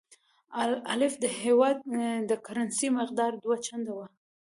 د الف هیواد د کرنسۍ مقدار دوه چنده وي.